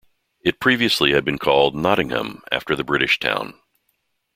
It previously had been called Nottingham after the British town.